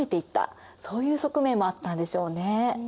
そういう側面もあったんでしょうね。